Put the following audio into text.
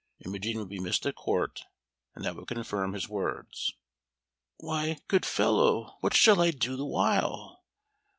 Imogen would be missed at Court, and that would confirm his words. "Why, good fellow, what shall I do the while?